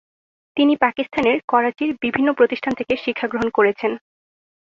তিনি পাকিস্তানের করাচির বিভিন্ন প্রতিষ্ঠান থেকে শিক্ষা গ্রহণ করেছেন।